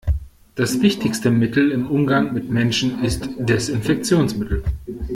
Das wichtigste Mittel im Umgang mit Menschen ist Desinfektionsmittel.